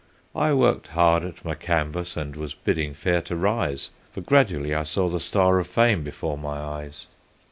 I worked hard at my canvas, and was bidding fair to rise, For gradually I saw the star of fame before my eyes.